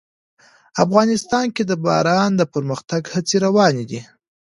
افغانستان کې د باران د پرمختګ هڅې روانې دي.